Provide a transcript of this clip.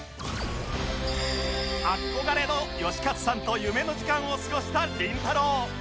憧れの能活さんと夢の時間を過ごしたりんたろー。